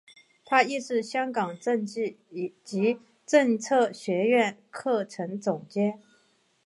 他亦是香港政治及政策学苑课程总监。